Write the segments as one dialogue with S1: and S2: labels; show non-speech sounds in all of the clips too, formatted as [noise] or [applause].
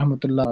S1: رحمۃ اللہ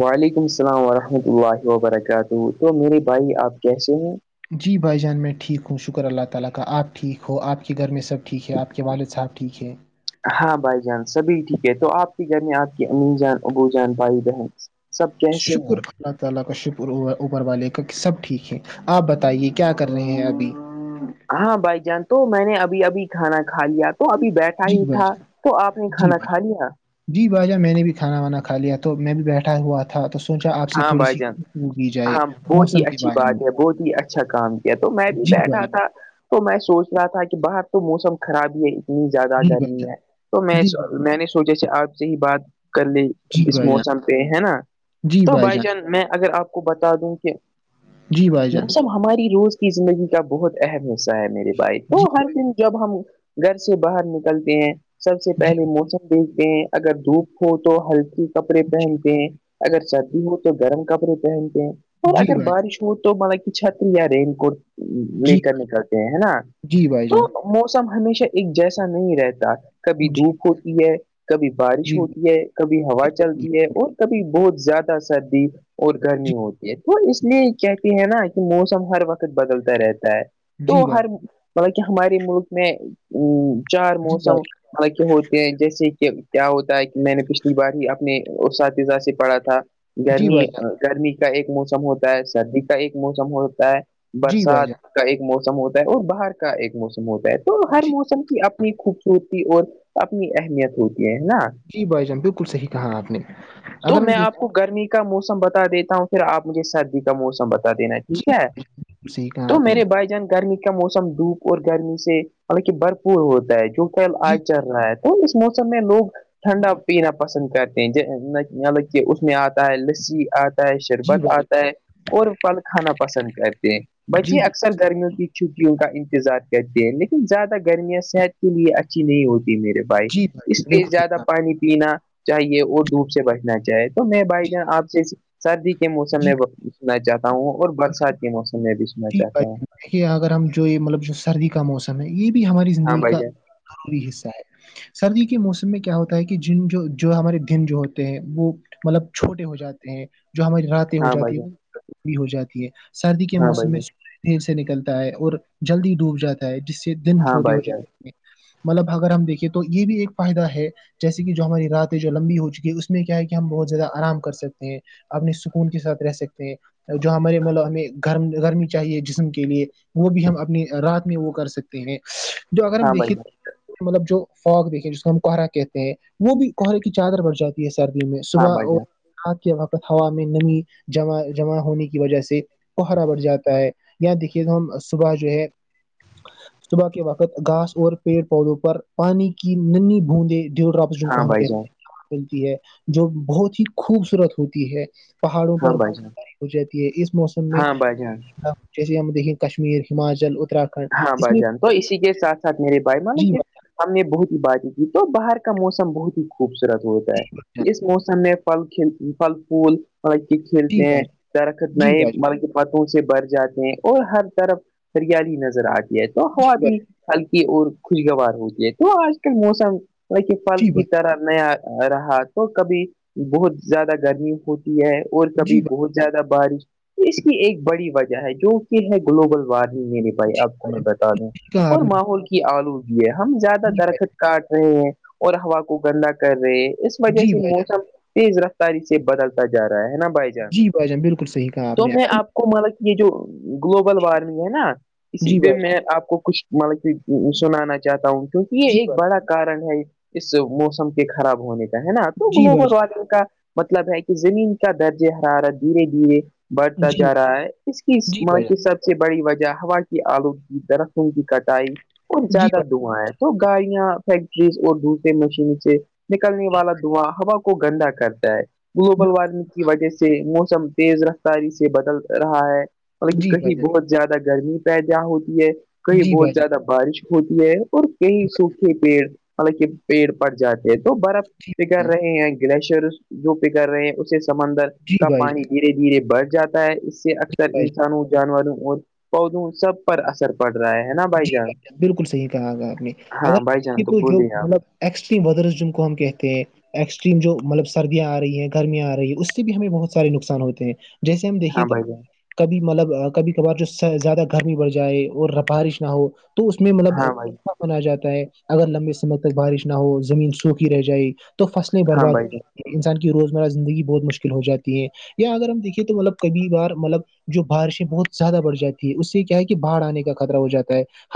S2: وعلیکم السلام ورحمۃ اللہ وبرکاتہ تو میرے بھائی آپ کیسے ہیں
S1: جی بھائی جان میں ٹھیک ہوں شکر اللہ تعالی کا اپ ٹھیک ہو اپ کے گھر میں سب ٹھیک ہے اپ کے والد صاحب ٹھیک ہیں
S2: ہاں بھائی جان سبھی ٹھیک ہے تو آپ کے گھر میں آپ کی امین جان ابو جان بھائی بہن سب کیسے
S1: شکر
S2: ہیں
S1: اللہ تعالی کا شکر اوبر والے کا کہ سب ٹھیک ہے آپ بتائیے کیا کر رہے ہیں ابھی
S2: ہاں بھائی جان تو میں نے ابھی ابھی کھانا کھا لیا تو ابھی بیٹھا
S1: جی
S2: ہی
S1: بھائی
S2: تھا
S1: جان
S2: تو آپ نے
S1: جی
S2: کھانا
S1: بھائی
S2: کھا لیا
S1: جی باجا میں نے بھی کھانا وانا کھا لیا تو میں بھی بیٹھا ہوا تھا تو سوچا آپ سے
S2: ہاں
S1: تھوڑی
S2: بھائی
S1: سی
S2: جان
S1: گفتگو کی جائے
S2: ہاں بہت ہی
S1: موسم کے
S2: اچھی
S1: بارے میں
S2: بات ہے بہت ہی اچھا کام یا تو میں بھی
S1: جی بھائی
S2: بیٹھا
S1: جان
S2: تھا تو میں سوچ رہا تھا کہ باہر تو موسم خراب ہی ہے انی زیادہ
S1: جی بھائی
S2: گرمی
S1: جان
S2: ہے تو میں
S1: جی
S2: میں نے سوچا سے آپ سے ہی بات کر لی اس
S1: بھائی جان
S2: موسم پہ ہے نا تو بھائی جان میں اگر آپ کو بتا دوں کہ
S1: جی بھائی جان
S2: موسم ہماری روز کی زندگی بہت اہم حصہ ہے میرے بھائی تو
S1: جی
S2: ہر
S1: بھائی
S2: دن جب ہم گھر سے باہر نکلتے ہیں سب سے پہلے
S1: جان
S2: موسم دیکھتے ہیں اگر دھوپ ہو تو ہلکی کپڑے پہنتے ہیں اگر سردی ہو تو گرم کپڑے پہنتے ہیں اور
S1: جی بھائی جی جی
S2: اگر
S1: بھائی
S2: بارش تو بط چتری یا رین کوٹ لے
S1: جی
S2: کر نکلتے ہیں نا
S1: جی بھائی
S2: تو
S1: جان
S2: موسم ہمیشہ ایک جیسا نہیں رہتا کبھی
S1: جی
S2: دھوپ ہوتی ہے کبھی بارش
S1: جی
S2: ہوتی ہے کبھی ہوا
S1: بالکل
S2: چلتی ہے
S1: بالکل۔
S2: اور کبھی بہت زیادہ سردی اور
S1: جی
S2: گرمی ہوتی ہے وہ اس لیے کہتی ہے نا کہ موسم ہر وقت بدلتا رہتا ہے تو
S1: جی بھائی
S2: ہر ملب کہ ہمارے ملک میں چار
S1: جی
S2: موسم
S1: بھائی
S2: حک ہوتے ہیں جیسے کہ کیا ہوتا ہے کہ میں نے پچھلی بار ہی اپنے اساتذہ سے پڑھا تھا
S1: جی
S2: گرمی
S1: بھائی جان
S2: گرمی کا ایک موسم ہوتا ہے سردی کا ایک موسم ہوتا ہے
S1: جی بھائی
S2: برسات
S1: جان
S2: کا ایک موسم ہوتا ہے اور باہر کا ایک موسم ہوتا ہے تو ہر
S1: جی
S2: موسم کی اپنی خوب ہوتی اور اپنی اہمیت ہوتی ہے ہے نا
S1: جی بھائی جان بالکل صحیح کہا آپ نے
S2: تو
S1: اگر ہم
S2: میں
S1: دیکھ
S2: آپ کو گرمی کا موسم بتا دیتا ہوں پھر آپ مجھے سردی کا موسم بتا دینا ٹھیک
S1: جی
S2: ہے
S1: بالکل صحیح کہا
S2: تو
S1: آپ نے
S2: میرے بھائی جان گرمی کے کا موسم دھوپ اور گرمی سے مطب کہ بھرپور ہوتا ہے جوٹل
S1: جی
S2: آج چل رہا ہے تو موسم میں لوگ ٹھنڈا پینا پسند کرتے ہیںب کہ میں آتا ہے لسی آ ہے
S1: جی
S2: شربت
S1: بھائی
S2: آتا ہے اور پھل کھانا پسند کرتے ہیں
S1: جی
S2: بچے اکثر گرمیوں کی چھٹیوں کا انتظار کرتے ہیں لیکن زیادہ گرمیاں صحت کے لیے اچھی نہیں ہوتی میرے بھائی
S1: جی
S2: اس لیے
S1: بالکل صحیح
S2: زیادہ
S1: کہا
S2: پانی پینا چاہیے اور دوپ سے بیٹنا چاہے تو میں بھائی
S1: جی
S2: جان آپ سے سردی کے موسم
S1: جی
S2: میں سنا چاہتا ہوں اور برسات کے موسم میں بھی سنا
S1: جٹھیک بھائی
S2: چاہتا ہوں
S1: دیکھیے اگر ہم جو یہ مطلب جو سردی کا موسم ہے یہ بھی ہماری
S2: ہاں
S1: زندگی کا
S2: بھائی جان
S1: ضروری حصہ ہے سردی کے موسم میں کیا ہوتا ہے کہ جن جو جو ہمارے دن جو ہوتے ہیں وہ مطلب چھوٹے ہو جاتے ہیں جو ہماری راتیں ہو
S2: ہاں بھائی
S1: جاتی ہیں
S2: جان
S1: وہ پی ہو جاتی ہے سردی کے
S2: ہاں
S1: موسم
S2: بھائی جان
S1: دھییر سے نکلتا ہے اور جلدی ڈوب جاتا ہے جس سے دن
S2: ہاں
S1: چھوٹے ہو
S2: بھائی جان
S1: جاتے مطلب اگر ہم دیکھے تو یہ بھی ایک فائدہ ہے جیسے کہ جو ہماری رات ہے جو لمبی ہو چکی ہے اس میں کیا ہے کہ ہم بہت زیادہ آرام کر سکتے ہیں اپنے سکون کے ساتھ رہ سکتے ہیں جو ہمارے مطلب ہمیں گرم گرمی چاہیے جسم کے لیے وہ بھی ہم اپنے رات میں وہ کر سکتے ہیں جو اگر ہم
S2: ہاں بھائی
S1: دیکھے
S2: جان
S1: تھے مطلب جو فگ دیکھے جس کو ہم کوہرا کہتے ہیں وہ بھی کوہرے کی چادر بڑ جاتی ہے سردیوں میں
S2: ہاں
S1: صبح
S2: بھائی
S1: اور
S2: جان
S1: رات کے وقت ہوا میں نمیمع جمع ہونے کی وجہ سے ہرا بڑھ جاتا ہے یااں دیکھیے تو ہم صبح جو ہے صبح کے وقت گاس اور پیڑ پودوں پر پانی کی نی بوندیں ڈل رہا جن
S2: ہاں
S1: کو ہم کہتے
S2: بھائی جان
S1: ہیں ملتی ہے جو بہت ہی خوبصورت ہوتی ہے پہاڑوں
S2: ہاں
S1: پر ب
S2: بھائی جان
S1: بارش ہو جاتی ہے اس موسم میں
S2: ہاں بھائی جان
S1: ھے یہ دیکھی گ کشمیر ہماچل اتاکنڈ
S2: ہاں بھ جان تو اسی کے ساتھ ساتھ میرے بھائی
S1: جی
S2: مالکے
S1: بھائی
S2: ہم نے بہت ہی باتیں کی تو باہر کا موسم بہت ہی خوبصورت ہوتا
S1: جان
S2: ہے اس موسم میں پھل ک پھل پھول بکی
S1: جی
S2: کھیلتے ہیں
S1: بھائی
S2: کیا رکھت
S1: جان، جی
S2: نہیں
S1: بھائی جان،
S2: بک پتوں سے بر جاتے ہیں اور ہر طرف ہریالی نظر آتی ہے تو خواب
S1: جی بھائی
S2: بھی
S1: جان،
S2: ہلکی اور خوشگوار ہوتی ہے تو آج کل موسم وس پھل
S1: جی
S2: کی
S1: بھائی
S2: طرح نیا رہا تو کبھی بہت زیادہ گرمی ہوتی اور
S1: جی
S2: کبھی
S1: بھائی
S2: بہت زیادہ بارش اس کی ایک بڑی وجہ ہے جو کہ ہے گلوبل وارمنگ م لی پائی اب
S1: جان،
S2: ل
S1: جی بھائی جان
S2: بتا دیں
S1: صحیح کہا آپ
S2: اور
S1: نے
S2: ماحول کی آلودگی ہے ہم زیادہ درخت کاٹ رہے ہیں اور ہوا کو گندا کر رہے اس وجہ
S1: جی
S2: سے
S1: بھائی جان
S2: موسم تیز رفتاری سے بدلتا جا رہا ہے نا
S1: جی بھائی جان بالکل صح کہا آپ
S2: تو
S1: نے
S2: میں کو مطلب کہ یہ جو گلوبل وارمنگ ہے نا اسی
S1: جی
S2: پہ
S1: بھائی
S2: میں
S1: جان
S2: آپ کو کچھ مطلب کہ سنانا چاہتا ہوں کیونکہ
S1: جی
S2: یہ ایک
S1: بھائی
S2: بڑا کارن ہے اس موسم کے خراب ہونے کا ہے نا
S1: جان،
S2: تو
S1: جی بھائی
S2: گلوبل
S1: جان
S2: وادنگ کا مطلب ہے کہ زمین کا درج حرارت دھیرے دھیرے بڑھتا
S1: جی
S2: جا رہا ہے اس کی
S1: جی
S2: ماں
S1: بھائی جان
S2: کی سب سے بڑی وجہ ہوا آلودگی درختن کی کٹائی اور
S1: جی
S2: زیادہ دواں ہے تو گاڑیاں فیکٹریز اور دوسر مشین سے نکلنے والا دھواں ہوا کو گندا کرتا ہے گلوبل وارمنگ کی وجہ سے موسم تیز رفتاری سے بدل رہا ہے مطلب کہ کہیں بہت زیادہ گرمی پیدا ہوتی ہے کہیں بہت
S1: بھائی بالکل،
S2: زیادہ بارش ہوتی ہے اور کئی سوکھے پیڑ مطلب کہ پیڑ پڑ جاتے یہ تو برف
S1: جی بھائی
S2: پگڑ
S1: جان
S2: رہے ہیں گلیشیر جو پگڑ رہے ہیں اسے سمندر
S1: جی
S2: کا
S1: بھائی جان جی بھائی جان جی بھائی
S2: پانی
S1: جان
S2: دھیرے دھیرے بڑھ جاتا ہے اس سے
S1: جی
S2: اکثر
S1: بھائی جان
S2: انسانوں جانوروں اور پودوں سب پر اثر پڑ رہا ہے ہے نا بھائی
S1: جی
S2: جان
S1: بھ بالکل صحیح کہا گا آپ نے
S2: ہاں
S1: اگر
S2: بھائی جان
S1: تو جو
S2: بولیے آپ
S1: مطلب ایکسٹریم ودرز جن کو ہم کہتے ہیں ایکسٹریم جو مطلب سردیاں آ رہی ہیں گرمیاں آ رہی ہے اس سے بھی ہمیں بہت سارے نقصان ہوتے ہیں جیسے ہم دیکھیے
S2: ہاں بھائی جان
S1: کبھی مطلب کبھی کبھار جو زیادہ گرمی بڑھ جائے اور ر بارش ہو تو اس میں مطلب
S2: ہاں بھائی
S1: بنا جاتا ہے اگر لمبے سمے تک بارش نہ ہو زمین سوکھی رہ جائے تو فصلیں
S2: ہاں
S1: برباد
S2: بھائی
S1: ہوات
S2: جان
S1: [unintelligible] انسان کی روزمرہ زندگی بہت مشکل ہو جاتی ہے یا اگر ہم دیکھیے تو مطلب کبھی بار مطلب جو بارشیں بہت زیادہ بڑھ جاتی ہے اس سے کیا ہے کہ بہاڑ آنے کا خطہ ہو جاتا ہے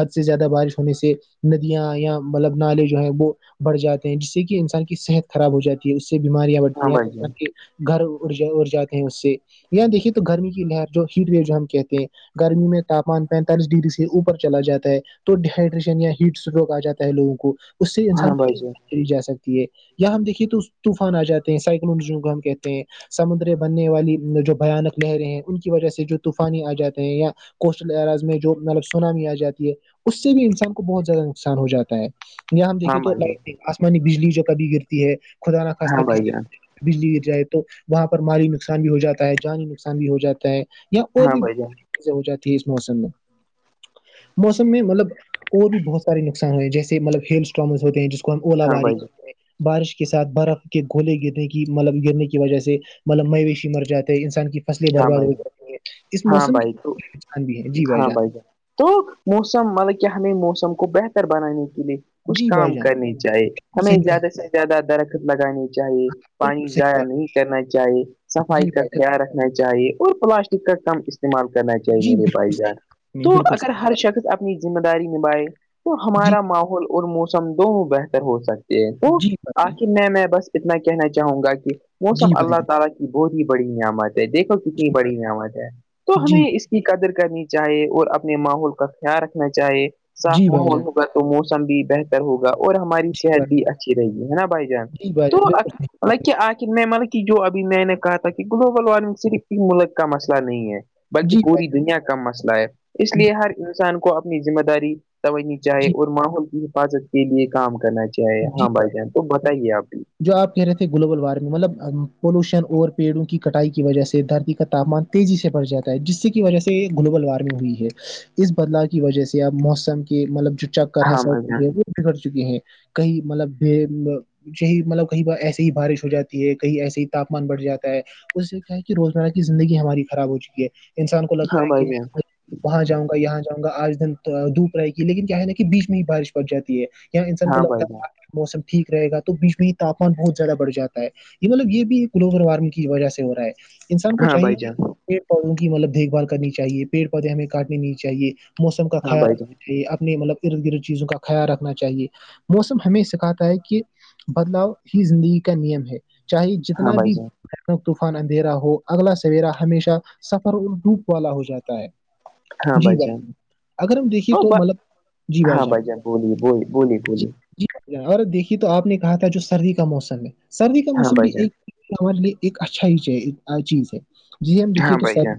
S1: حد سے زیادہ بارش ہونے سے ندیاں یا مطلب نالے جو ہے وہ بڑھ جاتے ہیں جس سے کہ انسان کی صحت خراب ہو جاتی ہے اس سے بیماریاں
S2: ہاں
S1: بڑتی ہیں
S2: بھائی
S1: ان
S2: جان
S1: گھر اڑ اڑ جاتے ہیں اس سے یہاں دیکھیے تو گرمی کی لہر جو ہیٹ ویو جو ہم کہتے ہیں گرمی میں تاپمان پینتالیس ڈگری سے اوپر چلا جاتا ہے تو ڈ ہائڈریشن یا ہیٹ اسٹروک آ جاتا ہے لوگوں کو اس سے انسان
S2: ہاں بھائی جان
S1: لی جا سکتی ہے یا ہم دیکھیے تو طوفان آ جاتے ہیں سائیک ہم کہتے ہیں سمندر بننے والی جو بھیانک لہریں ہیں ان کی وجہ سے جو طوفانی آ جاتے ہیں یا کوسٹل ایرز میں جو مطلب سونامیا جاتی ہے اس سے بھی انسان کو بہت زیادہ نقصان ہواتا ہے یااں ہم
S2: ہاں
S1: دیکھے تو
S2: بھائی جان
S1: لائٹ آسمانی بجلی جو کبھی گرتی ہے خدا ن خواستہ
S2: ہاں
S1: ک
S2: بھائی جان
S1: بجلی گر جائے تو وہاں پر مالی نقصان بھی ہو جاتا ہے جانی نقصان بھی ہو جاتا ہے یا اور
S2: ہاں
S1: بھی
S2: بھائی جان
S1: چیزیں ہو جاتی ہے اس موسم میں موسم میں مطلب اور بھی بہت سارے نقصان ہو ہیں جیسے مطلب ہیلٹرامز ہوتے ہیں جس کو ہم اولا
S2: ہاں
S1: باری
S2: بھائی
S1: کرتے ہیں بارش کے ساتھ برف کے گھوولے گرنے کی مطلب گرنے کی وجہ سے مطلب مویشی مر جاتے ہیں انسان کی فصلیں
S2: جان ہاں
S1: برباد
S2: بھائی
S1: ہو
S2: جان
S1: جاتی ہیں اس
S2: ہاں
S1: موسم کی
S2: بھائی تو
S1: پہچان بھی ہے جی وائی
S2: ہاں
S1: جان
S2: بھائی تو موسم مطلب کیا ہمیں موسم کو بہتر بنانے کے لیے کچھ
S1: جی بھائی
S2: کام
S1: جان
S2: کرنی چاہے ہمیں
S1: صحیح کہا
S2: زیادہ سے زیادہ درخ لگانی چاہیے پانی
S1: بالکل صحیح
S2: ضائع
S1: بات
S2: نہیں کرنا چاہیے صفائی
S1: جی
S2: کا
S1: بھائی جان
S2: خیال رکھ چاہیے اور پلاسٹک کا کم اس استعمال کرنا چاہیے
S1: جی
S2: میرے
S1: بالکل
S2: بھائی جان
S1: صحیح
S2: تو
S1: نہیں بالکل
S2: اگر
S1: صحیح
S2: ہر شخص اپنی ذمہ داری نبھائے تو
S1: بات جی
S2: ہمارا ماحول اور موسم دونوں بہتر ہو سکتے ہیں تو
S1: جی بھائی جان جی بھائی جان
S2: [unintelligible] کتنی
S1: جی
S2: بڑی
S1: بھائی
S2: نمت ہے تو
S1: جی
S2: ہمیں اس کے کی قدر کرنی چاہیے اور اپنے ماحول کا خیال رکھنا چاہیے صاف
S1: جی بھائی
S2: مال
S1: جان،
S2: ہوگا تو موسم بھی بہتر ہوگا اور ہماری
S1: جی بھائی
S2: صحت بھی اچھی رہے گی ہے نا بھائی جان
S1: جی بھائی
S2: تو
S1: جان، بالکل صحیح فرما
S2: مطلب
S1: رہے
S2: کیا آ میں مطلب جو ابھی میں نے کہا تھا کہ گلوبل وارمنگ صرف ت ملک کا مسئلہ نہیں ہے
S1: ہیں،
S2: بلکہ
S1: جی بھائی
S2: پوری دنیا کا کا مسئلہ ہے اس
S1: جان،
S2: لیے
S1: جی،
S2: ہر انسان کو اپنی ذمہ داری سمجھنی چاہیے
S1: جی،
S2: اور ماحول کی حفاظت کے لیے کام کرنا چاہے ہاں بھائی جان تو بتائیے آپ بھی
S1: جو آپ کہہ رہے تھے گلوبل وارمنگ مطلب پولوشن اور پیڑوں کی کٹائی کی وجہ سے دھرتی کا تاپمان تیزی سے بڑ جاتا ہے جس سے کی وجہ سے گلوبل وارمنگ ہوئی ہے اس بدلاؤ کی وجہ سے اب موسم کے مطلب جو چکر ہے
S2: ہاں
S1: سڑ
S2: بھائی
S1: جو
S2: جان
S1: ہے وہ بگڑ چکے ہیں کہئی مطلب ب یہی مطلب کہیں ایسے ہی بارش ہو جاتی ہے کہیں ایسے ہی تاپمان بڑھ جاتا ہے اس سے کیا ہے کہ روزمرہ کی زندگی ہماری خراب ہو چکی ہے انسان کو
S2: ہاں
S1: لگتا ہے
S2: بھائی
S1: کہ میں
S2: جان
S1: وہاں جاؤں گا یہاں گا آج دن دوپ رہےی لیکن کیا ہے نا کہ بیچ میں ہی بارش پڑ جاتی ہے اں انسان کو
S2: ہاں
S1: لگتا
S2: بھائی
S1: ہے
S2: جان
S1: موسم ٹھیک رہے گا تو بیچ میں ہی تاپمان بہت زیادہ بڑ جاتا ہے یہ مطلب یہ بھی گلوبل وارمنگ کی وجہ سے ہو رہا ہے انسان کو
S2: ہاں
S1: چاہیے
S2: بھائی
S1: کہ
S2: جان
S1: پیڑ پودوں کی مطلب دیکھ بھال کرنی چاہیے پیڑ پودے ہمیں کاٹنے نہیں چاہیے موسم کا
S2: ہاں
S1: خیال
S2: بھائی جان
S1: رکھنا چاہیے اپنی مطلب ارد گرد چیزوں کا خیال رکھنا چاہیے موسم ہمیں سکھاتا ہے کہ بدلاؤ ہی زندگی کا نیم ہے چاہے
S2: ہاں
S1: جتنا بھی
S2: بھائی جان
S1: طوفان اندھیرا ہو اگلا سویرا ہمیشہ سفر اور ڈوپ والا ہو جاتا ہے
S2: ہاں بھائی جان
S1: اگر ہم دیکھیے
S2: تو ب
S1: مطلب جی بھائی
S2: ہاں بائی جان بولیے بلی بولیے
S1: جی
S2: بولی
S1: جی اور دیکھیے تو آپ نے کہا تھا جو سردی کا موسم ہے سردی کا
S2: ہاں
S1: موسم
S2: بھائی
S1: بھی
S2: جان
S1: ایک ہمار لیے ایک اچھا ہی چیز ہے جیسے ہم
S2: ہاں
S1: دیکھیے تو
S2: بھائی
S1: سر
S2: جان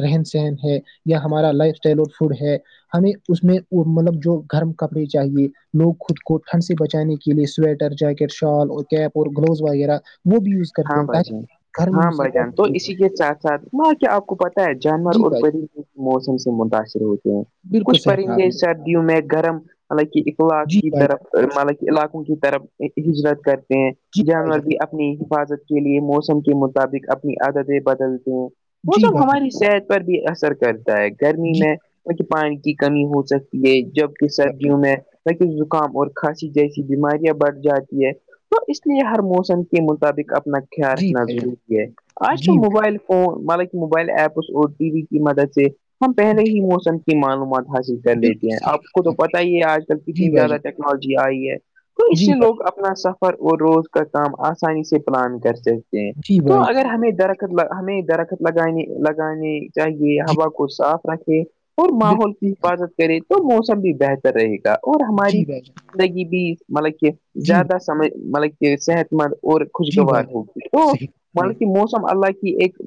S1: رہن سہن ہے یا ہمارا لائف اسٹائل اور فوڈ ہے ہمیں اس میں مطلب جو گرم کپڑے چاہیے لوگ خود کو کھن سے بچانے کے لیے سویٹر جیکٹ شال اور کیپ اور گلوز وغیرہ وہ بھی یوز کرتے
S2: ہاں
S1: ہیں
S2: بھائی جان
S1: تاکہ گھر میں
S2: ہاں
S1: یوز
S2: بھائی جان تو اسی ساتھ ساتھ وہاں کیا آپ کو پتا ہے جانور
S1: جی
S2: اور
S1: بھائی جان
S2: پرند موسم سے متاثر ہوتے ہیں
S1: بالکل
S2: کچھ
S1: صحیح کہا آپ
S2: پرندے
S1: نے
S2: سردیوں میں گرم حالانکہ اخلاق
S1: جی
S2: کی
S1: بھائی جان
S2: طرف
S1: بالکل صحیح۔
S2: ملب علاقوں کی طرف ہجرت کرتے ہیں
S1: جی بھائی
S2: جانور
S1: جان
S2: بھی اپنی حفاظت کے لیے موسم کے مطابق اپنی عادتیں بدلتے ہیں
S1: جی
S2: موسم
S1: بھائی جان
S2: ہماری صحت پر بھی اثر کرتا ہے گرمی
S1: جی
S2: میں ک پانی کی کمی ہو سکتی ہے جب
S1: بھائی جان
S2: سردیوں میں تاکہ زکام اور کھانسی جیسی بیماریاں بڑھ جاتی ہے تو اس لیے ہر موسم کے مطابق اپنا خیال
S1: جی
S2: رکھنا
S1: بھائی جان
S2: ضروری ہے آج کے
S1: جی
S2: موبائل مطا موبائل ایپس اور ٹی وی کی مدد سے ہم پہلے ہی موسم کی معلومات حاصل کر
S1: بالکل
S2: لیتے ہیں
S1: صحیح
S2: آپ کو
S1: کہا
S2: تو پتا ہی ہے آج کل
S1: نے جی
S2: کتنی
S1: بھائی
S2: زیادہ
S1: جان
S2: ٹیکنالوجی آئی ہے تو اس
S1: جی
S2: سے
S1: بھائی
S2: لوگ اپنا سفر اور روز کا کام آسانی سے پلان کر سکتے
S1: جان، جی
S2: تو
S1: بھائی جان
S2: اگر ہمیں درخت ہمیں درخت لگانے لگانے چاہیے
S1: جی
S2: ہوا کو صاف رکھے اور
S1: بالکل
S2: ماحول کی
S1: صحیح کہا آپ نے
S2: حفاظت کرے تو موسم بھی بہتر رہے گا اور ہماری
S1: جی بھائی جان
S2: زندگی ب مطلب کہ
S1: جی
S2: زیادہ سمجھ مطلب کہ صحت مند اور [unintelligible]
S1: جی
S2: خوشگوار
S1: بھائی جان
S2: ہوگی
S1: بالکل
S2: تو
S1: صحیح کہا آپ نے
S2: مطلب کی مو م اللہ کی ایک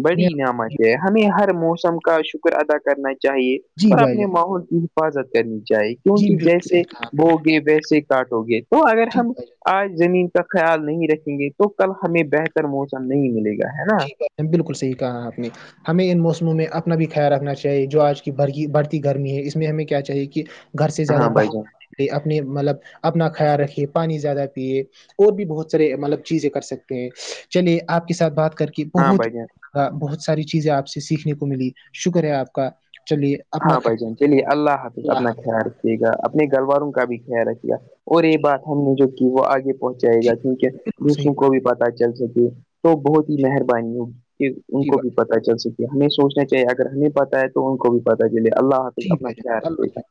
S1: نے-
S2: بڑی
S1: جی
S2: نعمت ہے ہمیں ہر موسم کا شکر ادا کرنا چاہیے
S1: جی
S2: اور
S1: بھائی
S2: اپنے
S1: جان
S2: ماحول کی حفاظت کرنی چاہیے کیونک
S1: جی بالکل
S2: جیسے
S1: صحیح کہا آپ نے
S2: بو گے ویسے کاٹو گے تو اگر
S1: جی
S2: ہم
S1: بھائی جان
S2: آج زمین کا خیال نہیں رکھیں گے تو کل ہمیں بہتر موسم نہیں ملے گا ہے نا
S1: جی بالکل صحیح کہا آپ نے ہمیں ان موسموں میں اپنا بھی خیال رکھنا چاہیے جو آج کی بڑ بڑھتی گرمی ہے اس میں ہمیں کیا چاہیے کہ گھر سے زیادہ
S2: ہاں بھائی جان
S1: باہرے اپنے مطلب اپنا خیال رکھیے پانی زیادہ پیے اور بھی بہت سارے مطلب چیزیں کر سکتے ہیں چلیے آپ کے ساتھ بات کہ
S2: ہاں
S1: بہت
S2: بھائی جان
S1: بہت ساری چیزیں آپ سے سیکھنے کو ملی شکر ہے آپ کا چلیے اپنا
S2: ہاں بھائی
S1: خیال
S2: جان چلیے اللہ حافظ اپنا خیال رکھیے گا اپنے گلواروں کا بھی خیال رکھی گ اور یہ بات ہم نے جو کی وہ آگے پہنچائے
S1: جی جی،
S2: گا ٹھیک ہے
S1: بالکل صحیح
S2: دوسروں کو بھی پتا چل سک تو بہت ہی مہربانی ہو کہ ان
S1: جی
S2: کو بھی
S1: بھائی
S2: پتا چل سک ہمیں سوچنا چاہیے اگر ہمیں پتا ہے تو ان کو بھی پتا چلے اللہ حافظ
S1: ٹھیک
S2: اپنا
S1: ہے ج
S2: خیال رکھے
S1: اللہ
S2: گا
S1: حفظ